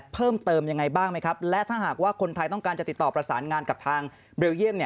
เพิ่มเติมยังไงบ้างไหมครับและถ้าหากว่าคนไทยต้องการจะติดต่อประสานงานกับทางเบลเยี่ยม